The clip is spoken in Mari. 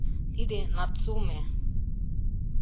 Тиде Нацуме.